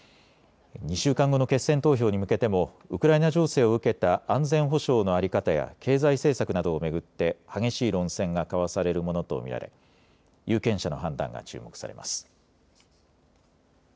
２週間後の決選投票に向けてもウクライナ情勢を受けた安全保障の在り方や経済政策などを巡って激しい論戦が交わされるものと見られ、有権者の判断が注目されます。